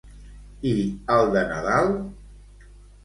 I el de Nadal?